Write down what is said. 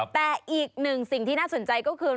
แต่อีกหนึ่งสิ่งที่น่าสนใจก็คือ